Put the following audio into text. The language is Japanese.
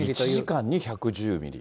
１時間に１１０ミリ。